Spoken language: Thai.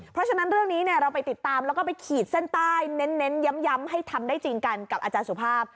เพราะฉะนั้นเรื่องนี้เราไปติดตามแล้วก็ไปขีดเส้นใต้เน้นย้ำให้ทำได้จริงกันกับอาจารย์สุภาพ